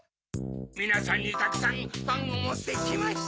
みなさんにたくさんパンをもってきました。